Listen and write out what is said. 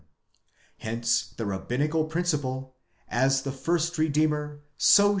Hence the rabbinical principle: as the first redeemer (Goé?)